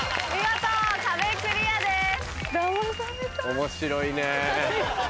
面白いね。